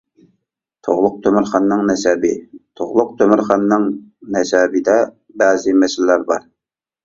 تۇغلۇق تۆمۈرخاننىڭ نەسەبى تۇغلۇق تۆمۈرخاننىڭ نەسەبىدە بەزى مەسىلىلەر بار.